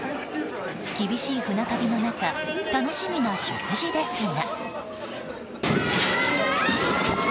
厳しい船旅の中楽しみな食事ですが。